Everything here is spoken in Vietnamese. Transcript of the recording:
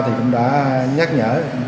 qua kiểm tra cũng đã nhắc nhở